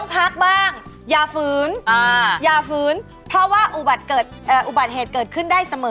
พักบ้างอย่าฝืนอย่าฝืนเพราะว่าอุบัติเหตุเกิดขึ้นได้เสมอ